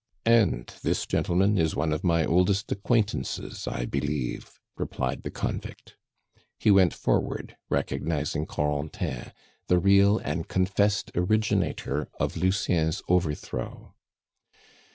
"And this gentleman is one of my oldest acquaintances, I believe," replied the convict. He went forward, recognizing Corentin, the real and confessed originator of Lucien's overthrow.